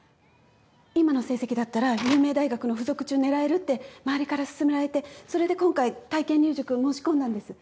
今の成績だったら有名大学の付属中狙えるって周りから勧められてそれで今回体験入塾申し込んだんです。